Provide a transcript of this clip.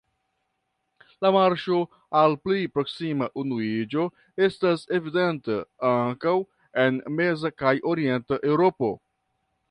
La marŝo al pli proksima unuiĝo estas evidenta ankaŭ en meza kaj orienta Eŭropo.